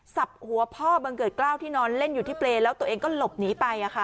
จับหัวพ่อบังเกิดกล้าวที่นอนเล่นอยู่ที่เปรย์แล้วตัวเองก็หลบหนีไป